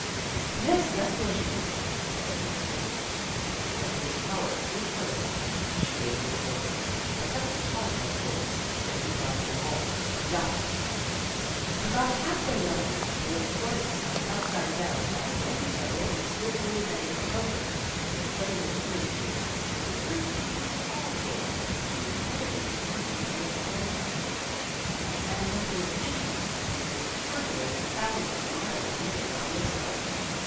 "Yes, that's how I should do it," I said hastily. But Miss Power was firm. She gave me the poker. I pressed it hard on the floor, said good bye to them all, and dived. I got half way round, and was supporting myself upside down by one toe and the slippery end of the poker, when it suddenly occurred to me that the earth was revolving at an incredible speed on its own axis, and that, in addition, we were hurtling at thousands of miles a minute round the sun.